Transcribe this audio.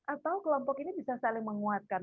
atau kelompok ini bisa saling menguatkan